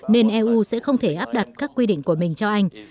nên eu sẽ không thể áp đặt các quy định của mình cho anh